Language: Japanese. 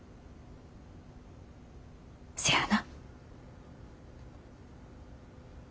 せやな。